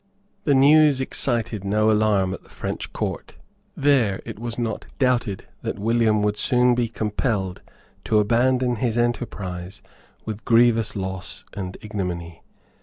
The news excited no alarm at the French Court. There it was not doubted that William would soon be compelled to abandon his enterprise with grievous loss and ignominy.